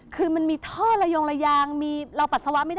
คือมันมีท่อระยงระยางมีเราปัสสาวะไม่ได้